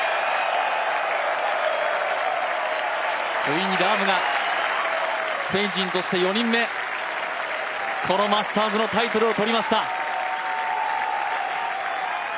ついにラームがスペイン人として４人目このマスターズのタイトルを取りました。